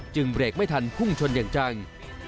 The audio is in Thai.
เบรกไม่ทันพุ่งชนอย่างจัง